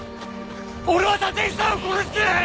俺は立石さんを殺してない！